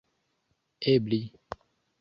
ebli